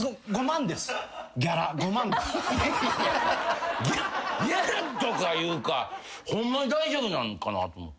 ギャラとかいうかホンマに大丈夫なんかなと思って。